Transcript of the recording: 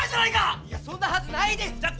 いやそんなはずないです！